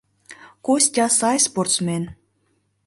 Костя сай спортсмен.